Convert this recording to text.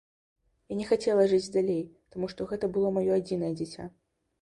Я не хацела жыць далей, таму што гэта было маё адзінае дзіця.